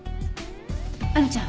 亜美ちゃん